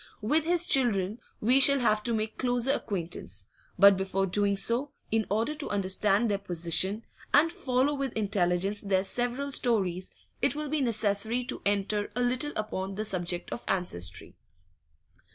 With his children we shall have to make closer acquaintance; but before doing so, in order to understand their position and follow with intelligence their several stories, it will be necessary to enter a little upon the subject of ancestry.